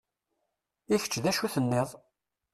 I kečč d acu tenniḍ?